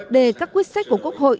để các quyết sách của quốc hội